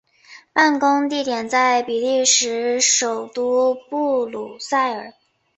办公地点在比利时首都布鲁塞尔。